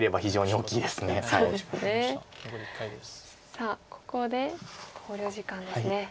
さあここで考慮時間ですね。